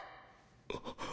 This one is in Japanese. あっ。